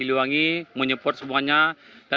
oke terus kemudian